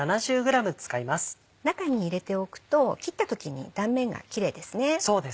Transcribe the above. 中に入れておくと切った時に断面がキレイですね。